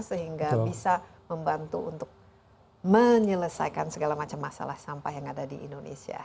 sehingga bisa membantu untuk menyelesaikan segala macam masalah sampah yang ada di indonesia